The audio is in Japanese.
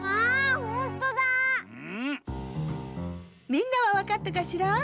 みんなはわかったかしら？